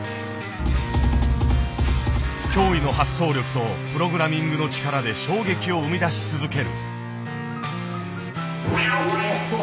驚異の発想力とプログラミングの力で衝撃を生み出し続ける。